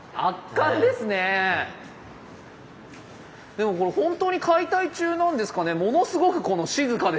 でもこれ本当に解体中なんですかね？